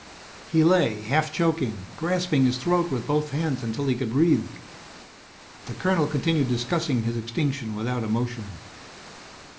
He lay, half choking, grasping his throat with both hands until he could breathe. The colonel continued discussing his extinction without emotion.